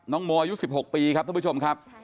น้องโมยุคสิบหกปีครับท่านผู้ชมครับ